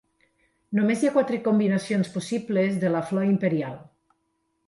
Només hi ha quatre combinacions possibles de la flor imperial.